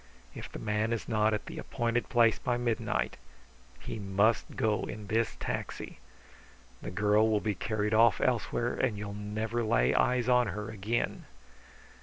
If the man is not at the appointed place by midnight he must go in this taxi the girl will be carried off elsewhere, and you'll never lay eyes on her again.